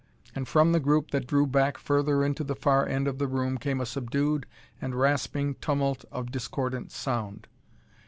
And from the group that drew back further into the far end of the room came a subdued and rasping tumult of discordant sound.